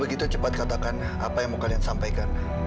begitu cepat katakan apa yang mau kalian sampaikan